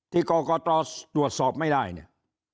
ที่กรกตตรวจสอบไม่ได้เนี่ย